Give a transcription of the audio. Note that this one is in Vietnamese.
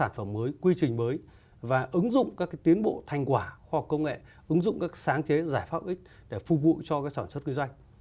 các sản phẩm mới quy trình mới và ứng dụng các tiến bộ thành quả khoa học công nghệ ứng dụng các sáng chế giải pháp ích để phục vụ cho sản xuất kinh doanh